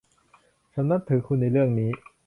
ฉันนับถือคุณในเรื่องนี้